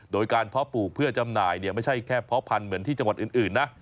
โดยการเพาะปลูกเพื่อจำหน่ายไม่ใช่แค่เพาะพันธุ์เหมือนที่จังหวัดอื่นนะ